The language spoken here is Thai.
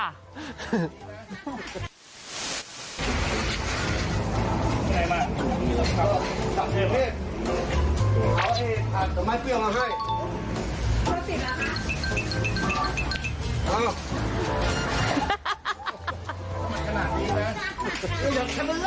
ในมันขอเอสขอเอสอ่ะ